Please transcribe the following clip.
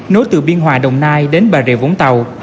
nối từ biên hòa đồng nai đến bà rịa vũng tàu